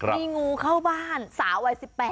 มีงูเข้าบ้านสาววัย๑๘